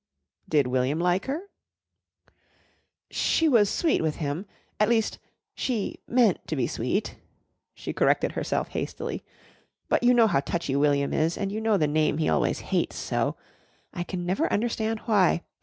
"Did William like her?" "She was sweet with him. At least she meant to be sweet," she corrected herself hastily, "but you know how touchy William is, and you know the name he always hates so. I can never understand why.